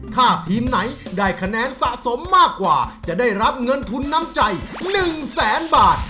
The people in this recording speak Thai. ถ้าทีมไหนได้คะแนนสะสมมากกว่าจะได้รับเงินทุนน้ำใจ๑แสนบาท